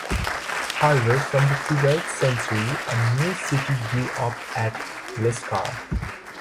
However, from the twelfth century a new city grew up at Lescar.